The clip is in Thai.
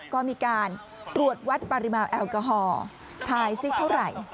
ก็มีการตรวจวัดปริมาณแอลกอฮอล์ถ่ายซิเท่าไหร่